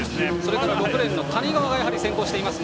６レーンの谷川がやはり先行します。